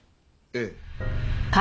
ええ。